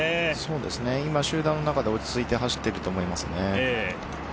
今集団の中で落ち着いて走っています。